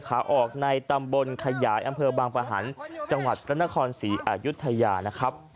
ขาออกในตำบลขยายอำเภอบางประหันต์จังหวัดพระนครศรีอายุทยานะครับ